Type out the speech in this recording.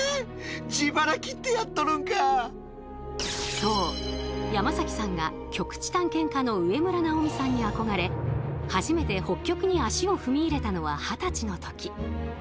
そう山崎さんが極地探検家の植村直己さんに憧れ初めて北極に足を踏み入れたのは二十歳の時。